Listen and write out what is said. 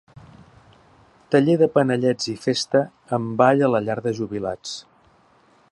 Taller de panellets i festa amb ball a la Llar de Jubilats.